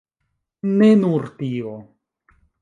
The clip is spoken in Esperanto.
Ne nur tio.